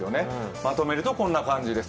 まとめるとこんな感じです。